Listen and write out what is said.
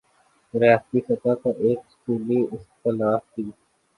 ریاستی سطح پر ایک سکولی اصطلاح تھِی